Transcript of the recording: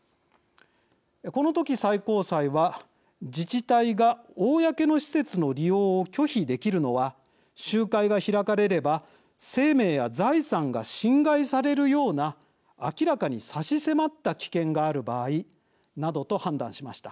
この時、最高裁は自治体が公の施設の利用を拒否できるのは集会が開かれれば、生命や財産が侵害されるような明らかに差し迫った危険がある場合などと判断しました。